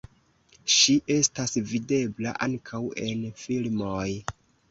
Ŝi estas videbla ankaŭ en filmoj.